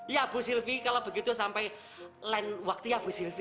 ya bu sylvi kalau begitu sampai land waktu ya bu sylvi